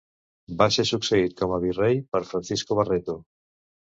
Va ser succeït com a virrei per Francisco Barreto.